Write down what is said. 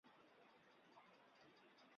王延之对这个评价抱有不满。